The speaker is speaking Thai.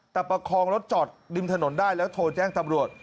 แต่ประคองรถจอดริมถนนได้แล้วโทรแจ้งตำรวจ